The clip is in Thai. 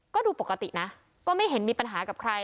ก็ดูปกตินะก็ไม่เห็นมีปัญหากับใคร